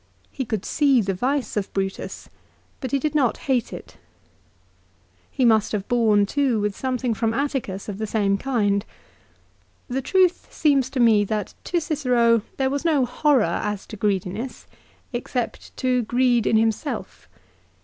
He could see the vice of Brutus, but he did not hate it. He must have borne, too, with something CICERO'S RHETORIC. 323 from Atticus of the same kind. The truth seems to me that to Cicero there was no horror as to greediness, except to greed in himself.